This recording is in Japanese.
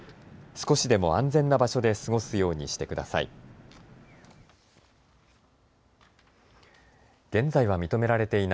少しでも安全な場所で過ごすようにしてください。